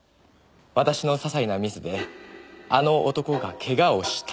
「私のささいなミスであの男が怪我をした」